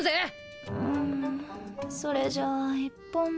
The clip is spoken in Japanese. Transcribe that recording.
うんそれじゃあ１本目。